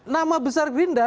nama besar gerindra